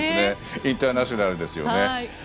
インターナショナルですよね。